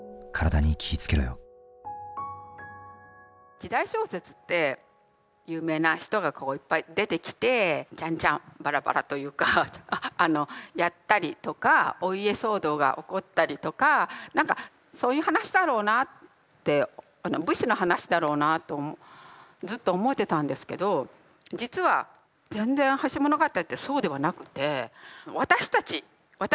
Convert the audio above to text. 時代小説って有名な人がこういっぱい出てきてチャンチャンバラバラというかあのやったりとかお家騒動が起こったりとか何かそういう話だろうなあって武士の話だろうなあとずっと思ってたんですけど実は全然「橋ものがたり」ってそうではなくて私たち私のことが書いてあるんですよ